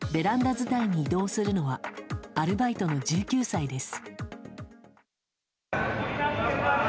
伝いに移動するのはアルバイトの１９歳です。